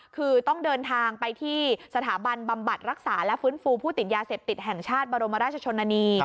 คือต้องเดินทางไปที่สถาบันบำบัดรักษาและฟื้นฟูผู้ติดยาเสพติดแห่งชาติบรมราชชนนานี